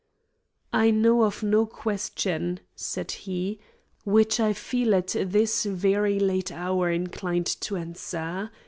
"I know of no question," said he, "which I feel at this very late hour inclined to answer.